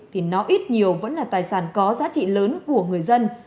thì nó ít nhiều vẫn là tài sản có giá trị lớn của người dân